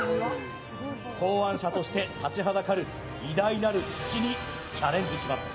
考案者として立ちはだかる偉大なる父にチャレンジします。